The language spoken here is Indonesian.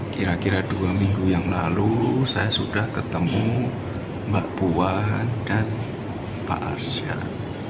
kira kira dua minggu yang lalu saya sudah ketemu mbak puan dan pak arsyad